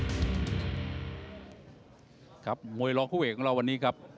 วันนี้ครับมวยรองคู่เหว่งของเราวันนี้ครับ